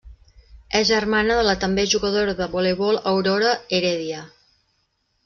És germana de la també jugadora de voleibol Aurora Heredia.